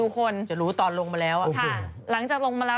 ขยะละขยะละ